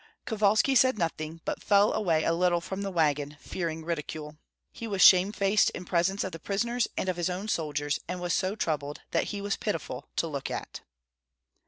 Kovalski said nothing, but fell away a little from the wagon, fearing ridicule. He was shamefaced in presence of the prisoners and of his own soldiers, and was so troubled that he was pitiful to look at.